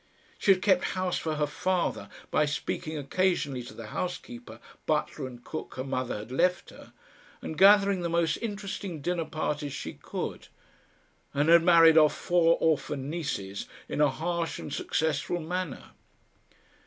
She had kept house for her father by speaking occasionally to the housekeeper, butler and cook her mother had left her, and gathering the most interesting dinner parties she could, and had married off four orphan nieces in a harsh and successful manner.